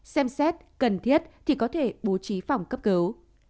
xem xét cần thiết thì có thể bố trí phòng cấp cứu